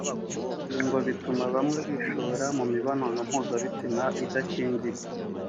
Ibi ngo bituma bamwe bishora mu mibonano mpuzabitsina idakingiye